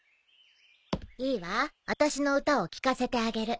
いいわあたしの歌を聞かせてあげる。